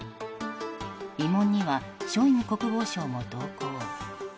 慰問にはショイグ国防相も同行。